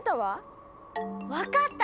分かった！